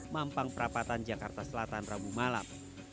mampang perapatan jakarta selatan rabu malam